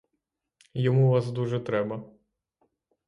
Йому вас дуже треба.